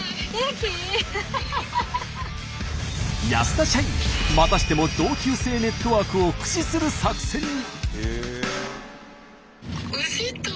安田社員またしても同級生ネットワークを駆使する作戦に。